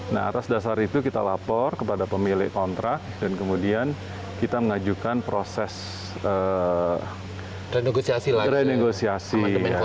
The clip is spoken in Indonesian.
nah atas dasar itu kita lapor kepada pemilik kontrak dan kemudian kita mengajukan proses renegosiasi